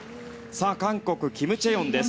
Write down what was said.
韓国、キム・チェヨンです。